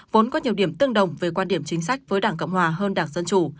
vốn có nhiều điểm tương đồng về quan điểm chính sách với đảng cộng hòa hơn đảng dân chủ